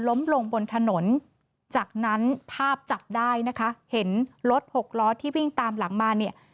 ล้มลงบนถนนจากนั้นภาพจับได้นะคะเห็นรถหกล้อที่วิ่งตามหลังมาเนี่ย